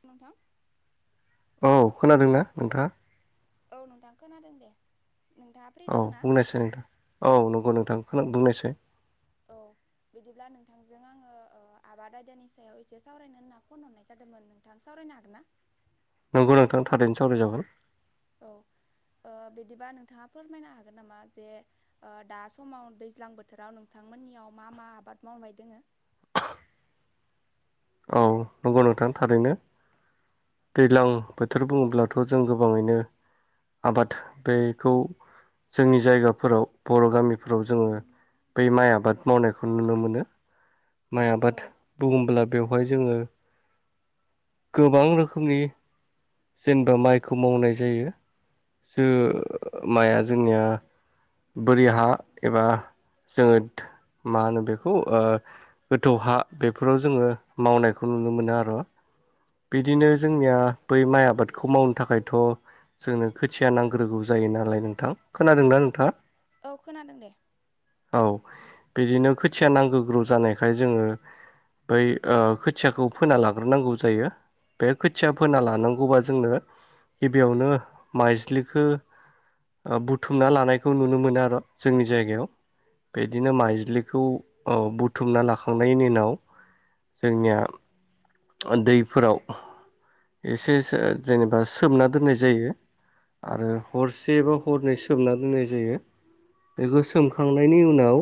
Hello नोंथां औ खोनादोंना नोंथांङा? औ नोंथां खोनादों दे नोंथांङा फ्रि दं ना? फ्रि नोंथां औ नंगौ नोंथां खोनक बुंनायसाय औ बिदिब्ला नोंथांजों आंङो आबाद आयदानि सायाव एसे सावरायनो होनना फन हरनाय जादोंमोन नों नोंथां सावरायनो हागोन्ना? नोंगौ नोंथां थादैनो सावरायजागोन। औ बिदिबा नोंथांङा फोरमायनो हागोन नामा जे दा समाव दैज्लां बोथोराव नोंथांमोननियाव मा मा आबाद मावनाय दोङो? औ नंगौ नोंथां थारैनो दैज्लां बोथोर बुंङोब्लाथ' जों गोबांङैनो आबाद बेखौ जोंनि जायगाफोराव बर' गामिफोराव जोंङो बै माइ आबाद मावनायखौ नुनो मोनो माइ औ आबाद बुंब्ला बेवहाय जोंङो गोबां रोखोमनि जेनेबा माइखौ मावनाय जायो ओ जोंनिया माइआ जोंनिया बोरि हा एबा जोङो मा होनो बेखौ ओ गोथौ हा बेफोराव जोङो मावनायखौ नुनो मोनो आरो। औ बिदिनो जोंनिया बै माइ आबादखौ मावनो थाखायथ' जोङो खोथिया नांग्रोगौ जायो नालाय नोंथां खोनादोंना नोंथाङा? औ खोनादों दे। औ बिदिनो खोथिया नांग्रोगौ जानायखाय जोङो बै खोथियाखौ फोना लाग्रोनांगौ जायो। बे खोथिया फोना लानांगौबा जोंनो गिबियावनो माइज्लिखौ बुथुमना लानायखौ नुनो मोनो आरो जोंनि जायगायाव। बिदिनो औ माइज्लिखौ औ बुथुमना लाखांनायनि उनाव जोंनिया ओ दैफोराव एसे एसे जेनेबा सोमना दोननाय जायो। आरो हरसेबा हरनै सोमना दोननाय जायो। बेखौ सोमखांनायनि उनाव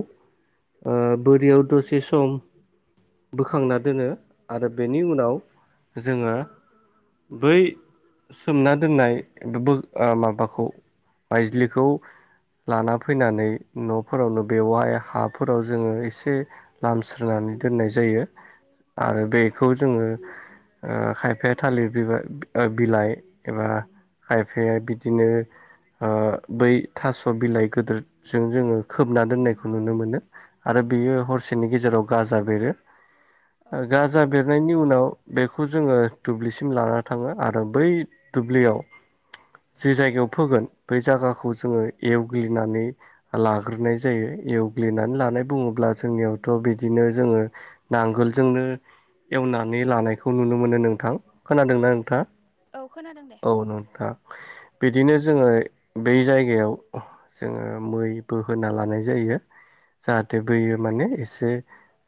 ओ बोरियाव दसे सम बोखांना दोनो आरो बेनि उनाव जोङो बै सोमना दोननाय ओ माबाखौ माइज्लिखौ लाना फैनानै न'फोरावनो बेवाय हाफोराव जोङो एसे लामस्रोनानै दोननाय जायो आरो बेखौ जोङो ओ खायफाया थालिर बिबार बिलाइ एबा खायफाया बिदिनो ओ बै थास' बिलाइ गिदिरजों जोङो खोबना दोननायखौ नुनो मोनो। आरो बेयो हरसेनि गेजेराव गाजा बेरो। औ गाजा बेरनायनि उनाव बेखौ जोङो दुब्लिसिम ला थाङो आरो बै दुब्लियाव जि जायगायाव फोगोन बै जायगाखौ जोङो एवग्लिनानै लाग्रोनाय जायो एवग्लिनानै लानाय बुङोब्ला जोंनियावथ' बिदिनो जोङो नांगोलजोंनो एवनानै लानायखौ नुनो मोनो नों नोंथां खोनादोंना औ नोंथाङा औ खोनादों दे औ नोंथां। बिदिनो जोङो बै जायगायाव जोङो मै बो होना लानाय जायो। जाहाथे बैयो माने एसे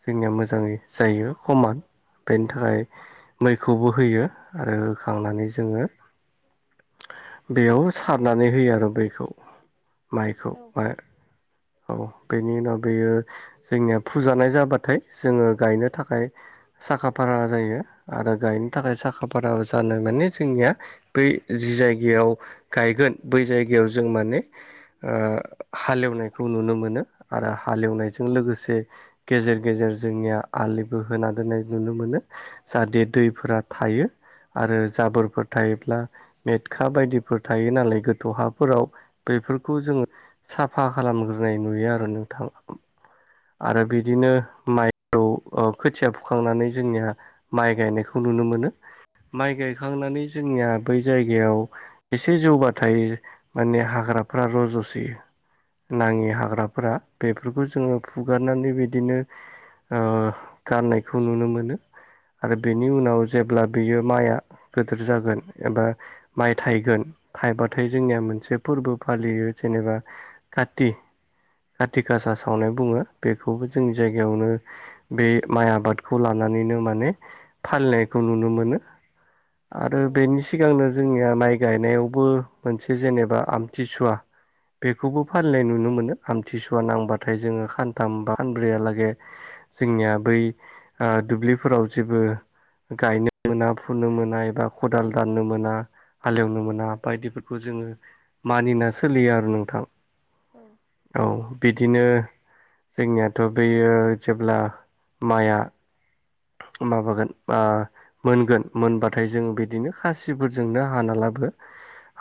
जोंनिया मोजाङै जायो हमान बेनि थाखाय बेखौबो होयो आरो होखांनानै जोङो बेयाव सारनानै होयो आरो बैखौ माइखौ औ मा औ बेनि उनाव बेयो जोंनिया फुजानाय जाबाथाय जोङो गायनो थाखाय साखा फारा जायो आरो गायनो थाखाय साखा फारा जानो माने जोंनिया बै जि जायगायाव गायगोन बै जायगायाव जों माने ओ हालेवनायखौ नुनो मोनो आरो हालेवनायजों लोगोसे गेजेर गेजेर जोंनिया आलिबो होना दोन्नाय नुनो मोनो जाहाथे दै फोरा थायो। आरो जाबोरफोर थायोब्ला मेटखा बायदिफोर थायो नालाय गोथौ हाफोराव बेफोरखौ जोङो साफा खालामग्रोनाय नुयो आरो नोंथां। आरो बिदिनो माइखौ खोथिया फुखांनानै जोंनिया माइ गायनायखौ नुनो मोनो माइ गायखांनानै जोंनिया बै जायगायाव एसे जौबाथाय माने हाग्राफ्रा र'ज'सोयो। औ नाङि हाग्राफोरा बेफोरखौ जोङो फुगारनानै बिदिनो ओ गाननायखौ नुनो मोनो। आरो बेनि उनाव जेब्ला बियो माइआ गेदोर जागोन एबा माइ थाइगोन थाइबाथाय जोंनिया मोनसे फोरबो फालियो जेनेबा काति कातिक आसा सावनाय बुङो बेखौबो जोंनि जायगायावनो बे माइ आबादखौ लानानैनो माने फालिनायखौ नुनो मोनो। आरो औ बेनि सिगांनो जोंनिया माइ गायनायावबो मोनसे जेनेबा आमथिसुवा बेखौबो फालिनाय नुनो मोनो आमथिसुवा नांबाथाय जोङो खानथाम बा खानब्रैयालागे जोंनिया बै ओ दुब्लिफोराव जेबो गायनो मोना फुनो मोना एबा खदाल दाननो मोना हालेवनो मोना बायदिफोरखौ जोङो मानिना सोलियो आरो नोंथां। औ औ बिदिनो जोंनियाथ' बेयो जेब्ला माइआ माबागोन ओ मोनगोन मोनबाथाय जों बिदिनो खासिफोरजोंनो हानालाबो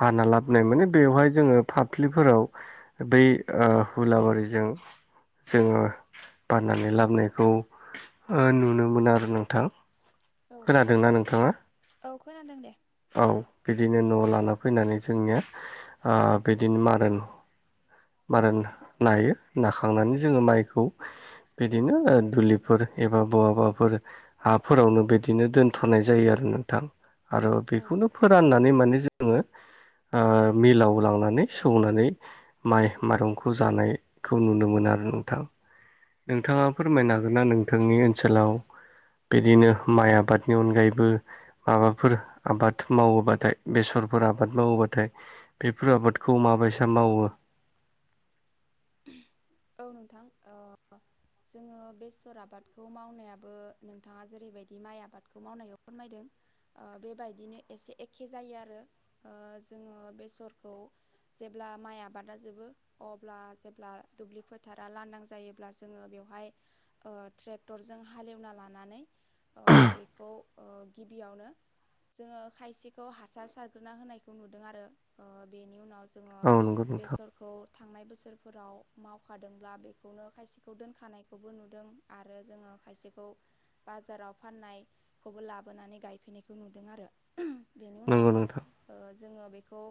हाना लाबोनाय माने बेवहाय जोङो फाफ्लिफोराव बै ओ हुलाबारिजों जोङो बाननानै लाबोनायखौ ओ नुनो मोन आरो नोंथां खोनादोंना नोंथाङा? औ खोनादों दे औ बिदिनो न'आव लाना फैनानै जोंनिया ओ बिदिनो मारोन मारोन नायो नाखांनानै जोङो माइखौ बिदिनो दुलिफोर एबा बहाबा फोर हाफोरावनो बिदिनो दोनथ'नाय जायो आरो नोंथां आरो औ बेखौनो फोराननानै माने जोङो ओ मिलाव लांनानै सौनानै माइ माइरंखौ जानायखौ नुनो मोनो आरो नोंथां। नोंथाङा फोरमायनो हागोन ना नोंथांनि ओनसोलाव बिदिनो माइ आबादनि अनगायैबो माबाफोर आबाद मावोबाथाय बेसरफोर आबाद मावोबाथाय बेफोर आबादखौ माबायसा मावो औ नोंथां ओह जोङो बेसर आबादखौ मावनायाबो नोंथाङा जेरैबायदि माइ आबादखौ मावनायाव फोरमायदों ओ बेबायदिनो एसे एखे जायो आरो ओ जोङो बेसरखौ जेब्ला माइ आबादा जोबो अब्ला जेब्ला दुब्लि फोथारा लांदां जायोब्ला जोङो बेवहाय ओ ट्रेक्टरजों हालेवना लानानै ओ बेखौ ओ गिबियावनो जोङो खायसेखौ हासार सारग्रोना होनायखौ नुदों आरो ओ बेनि उनाव जो जोङो औ नंगौ नोंथां बेसरखौ थांनाय बोसोरफोराव मावखादोंब्ला बेखौनो खायसेखौ दोनखानायखौबो नुदों आरो जोङो खायसेखौ बाजाराव फाननायखौबो लाबोनानै गायफैनायखौ नुदों आरो। बेनि नंगौ उनाव नोंथां ओ जोङो बेखौ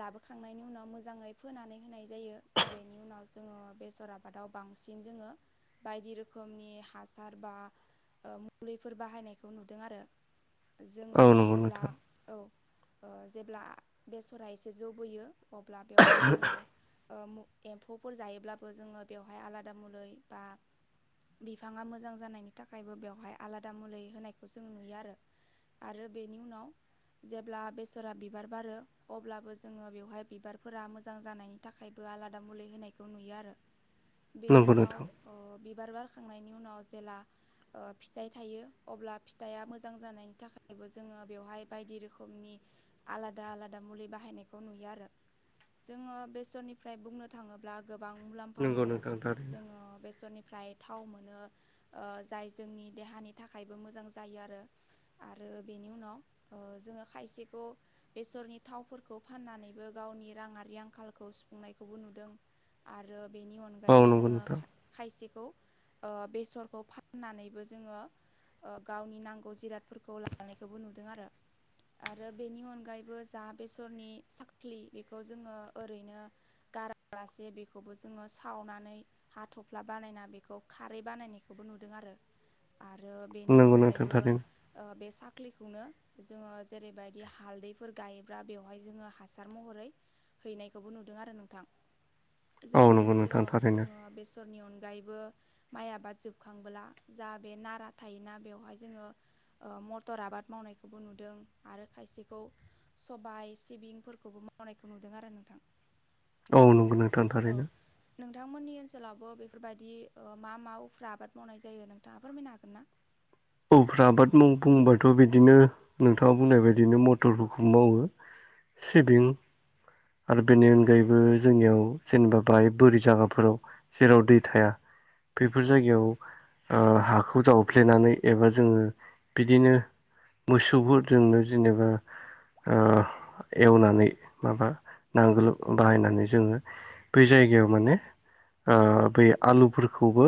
लाबोखांनायनि उनाव मोजाङै फोनानै होनाय जायो बेनि उनाव जोङो बेसर आबादाव बांसिन जोङो बायदि रोखोमनि हासार बा ओ मुलिफोर बाहायनायखौ नुदों आरो औ जोङो नंगौ जेब्ला नोंथां औ ओ जेब्ला बेसरा एसे जौबोयो अब्ला बेवहाय जोङो उम एम्फौफोर जायोब्लाबो जोङो बेवहाय आलादा मुलै बा बिफाङा मोजां जानायनि थाखायबो बेवहाय आलादा मुलै होनायखौ जों नुयो आरो। आरो बेनि उनाव जेब्ला बेसरा बिबार बारो अब्लाबो जोङो बेवहाय बिबारफोरा मोजां जानाय थाखायबो आलादा मुलि होनायखौ नुयो आरो बेनि नंगौ उनाव नोंथां अह बिबार बारखांनायनि उनाव जेला फिथाइ थायो अब्ला फिथाइया मोजां जानायनि थाखायबो जोङो बेवहाय बायदि रोखोमनि आलादा -आलादा मुलि बाहायनायखौ नुयो आरो जोङो बेसरनिफ्राय बुंनो थाङोब्ला गोबां मुलाम्फा नंगौ मोनो। नोंथां थारैनो जोङो बेसरनिफ्राय थाव मोनो ओ जाय जोंनि देहानि थाखायबो मोजां जायो आरो। आरो बेनि उनाव ओ जोङो खायसेखौ बेसरनि थावफोरखौ फाननानैबो गावनि राङारि आंखालखौ सुफुंनायखौबो नुदों। जों आरो बेनि औ अनगायैबो नंगौ जोङो नोंथां खा खायसेखौ ओ बेसरखौ फाननानैबो जोङो ओ गावनि नांगौ जिरादफोरखौ लानायखौबो नुदों आरो। आरो बेनि अनगायैबो जा बेसरनि साखलि बेखौ जोङो ओरैनो गारालासे बेखौबो जोङो सावनानै हाथफ्ला बानायना बेखौ खारै बानायनायखौबो नुदों आरो। आरो बेनि नंगौ नोंथां अनगायैबो थारैनो बे साख्रिखौनो जोङो जेरैबायदि हालदैफोर गायोब्ला बेवहाय जोङो हासार महरै हैनायखौबो नुदों आरो नोंथां। औ जोंनि नंगौ नोंथां ओनसोलाव थारैनो जोङो बेसरनि अनगायैबो माइ आबाद जोबखांबोला जा बे नारा थायोना बेवहाय जोङो मटर आबाद मावनायखौबो नुदों आरो खायसेखौ सबाय, सिबिंफोरखौबो मावनायखौ नुदों आरो नोंथां। औ नंगौ नों औ। नोंथांमोननि ओनसोलावबो बेफोरबायदि ओ मा- मा उफ्रा आबाद मावनाय जायो नोंथाङा फोरमायनो हागोनना? उफ्रा आबाद मावना बुंबाथ' बिदिनो नोंथाङा बुंनाय बादिनो मटरफोरखौ मावो। सिबिं। आरो बेनि अनगायैबो जोंनियाव जेनेबा बाहाय बोरि जायगाफोराव जेराव दै थाया बेफोर जायगायाव ओ हाखौ जावफ्लेनानै एबा जोङो बिदिनो मोसौफोरजोंनो जेनेबा ओ एवनानै माबा नांगोल बाहायनानै जोङो बै जायगायाव माने ओ बै आलुफोरखौबो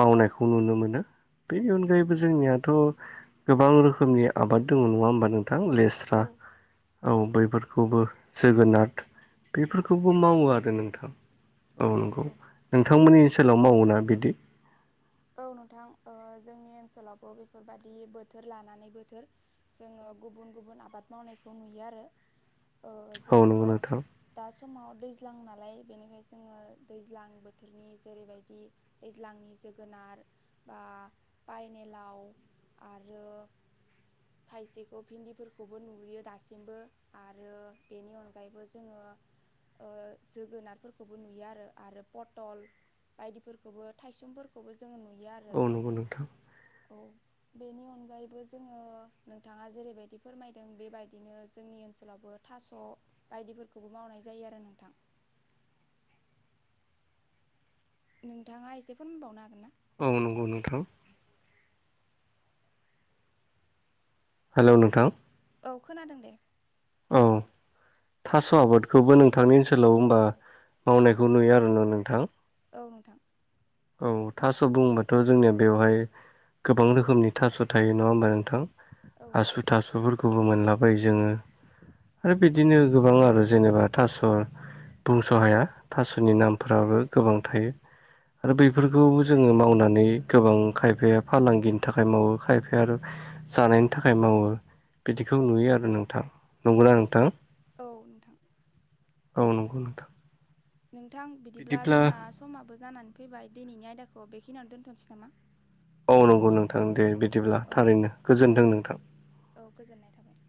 मावनायखौ नुनो मोनो। बेनि अनगायैबो जोंनियाथ' गोबां रोखोमनि आबाद दङ नङा होमबा नोंथां? औ लेस्रा। औ, बैफोरखौबो जोगोनार बेफोरखौबो मावो आरो नोंथां। औ नंगौ नोंथांमोननि ओनसोलाव मावोना बिदि? औ नोंथां ओ जोंनि ओनसोलावबो बेफोरबादि बोथोर लानानै बोथोर जोङो गुबुन- गुबुन आबाद मावनायखौ नुयो आरो ओ औ जोङो नंगौ नोंथां दा समाव दैज्लां नालाय बेनिखाय जोङो दैज्लां बोथोरनि जेरैबायदि दैज्लांनि [unintelligible] जोगोनार बा बानिलाव आरो खायसेखौ भिन्दिफोरखौबो नुयो दासिमबो आरो बेनि अनगायैबो जोङो ओ जोगोनारफोरखौबो नुयो आरो आरो पटल। बायदिफोरखौबो थायसुमफोरखौबो जोङो नुयो आरो औ नंगौ नोंथां औ। बेनि अनगायैबो जोङो नोंथाङा जेरैबायदि फोरमायदों बेबायदिनो जोंनि ओनसोलावबो थास' बायदिफोरखौबो मावनाय जायो आरो नोंथां। नोंथाङा एसे फोरमबावनो हागोनना? औ नंगौ नोंथां। हेल' नोंथां। औ खोनादों दे। औ। थास' आबादखौबो नोंथांनि ओनसोलाव होनबा मावनायखौ नुयो आरोना नोंथां। औ नोंथां। औ थास' बुंबाथ' जोंनिया बेवहाय गोबां रोखोमनि थास' थायो नङा होमबा नोंथां? औ आसु थासुफोरखौबो मोनलाबाय जोङो। आरो बिदिनो गोबां आरो जेनेबा थास' बुंस' हाया थास'नि नामफोराबो गोबां थायो आरो बैफोरखौबो जोङो मावनानै गोबां खायफाया फालांगिनि थाखाय मावो खायफाया आरो जानायनि थाखाय मावो बिदिखौ औ नुयो आरो नोंथां नंगौना नोंथां औ नोंथां। औ नंगौ नोंथां। नोंथां बिदिब्ला जोंना समाबो जानानै फैबाय दिनैनि आयदाखौ बेखिनियावनो दोनथ'नोसै नामा? औ नंगौ नोंथां दे बिदिब्ला औ थारैनो गोजोन्थों नोंथां। औ गोजोननाय थाबाय